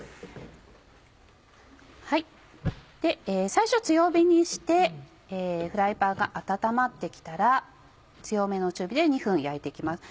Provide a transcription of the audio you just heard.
最初強火にしてフライパンが温まって来たら強めの中火で２分焼いて行きます。